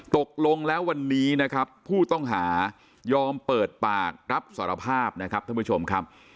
ตกลงแล้ววันนี้นะครับผู้ต้องหายอมเปิดปากรับสารภาพนะครับท่านผู้ชมครับ